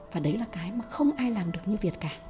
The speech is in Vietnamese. và đấy là cái mà không ai làm được như việt cả